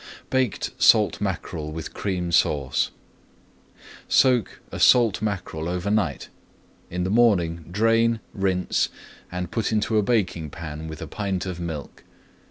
BAKED SALT MACKEREL WITH CREAM SAUCE Soak a salt mackerel over night. In the morning drain, rinse, and put into a baking pan with a pint of milk.